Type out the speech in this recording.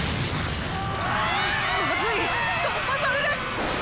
まずい突破される！